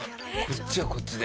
こっちはこっちで。